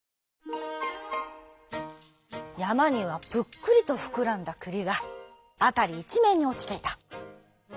やまにはぷっくりとふくらんだくりがあたりいちめんにおちていた。